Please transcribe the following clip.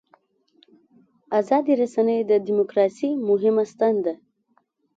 ازادې رسنۍ د دیموکراسۍ مهمه ستن ده.